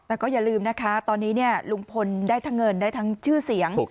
แต่ก็อย่าลืมนะคะตอนนี้ลุงพลได้ทั้งเงินได้ทั้งชื่อเสียง